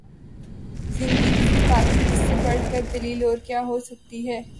زندگی کی سفاکی کی اس سے بڑھ کر دلیل اور کیا ہوسکتی ہے